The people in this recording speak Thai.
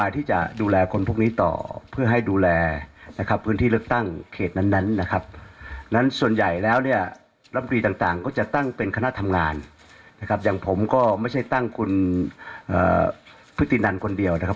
อย่างผมก็ตั้งเป็นคณะทำงานนะครับอย่างผมก็ไม่ใช่ตั้งคุณพฤตินันคนเดียวนะครับ